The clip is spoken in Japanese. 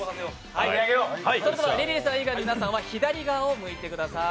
それではリリーさん以外の皆さんは左側を向いてください。